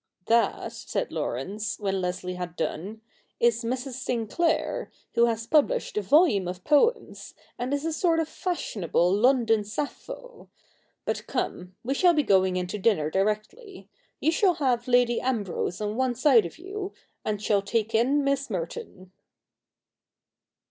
*That,' said Laurence, when Leslie had done, 'is Mrs. Sinclair, who has published a volume of poems, and is a sort of fashionable London Sappho. But come, — we shall be going in to dinner directly. You shall have Lady Ambrose on one side of you, and shall take in Miss Merton.'